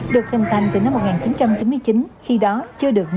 được thêm tăng từ năm một nghìn chín trăm chín mươi chín khi đó chưa được một mươi em